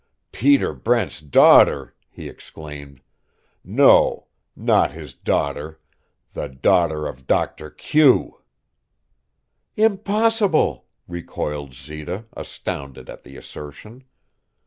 "Peter Brent's daughter!" he exclaimed. "No, not his daughter the daughter of Doctor Q." "Impossible!" recoiled Zita, astounded at the assertion.